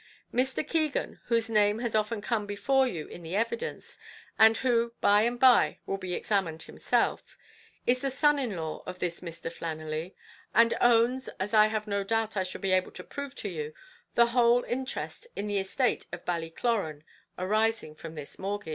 Mr. Keegan, whose name has often come before you in the evidence, and who, by and by, will be examined himself, is the son in law of this Mr. Flannelly, and owns, as I have no doubt I shall be able to prove to you, the whole interest in the estate of Ballycloran arising from this mortgage.